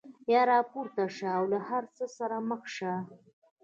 یا راپورته شه او له هر څه سره مخ شه.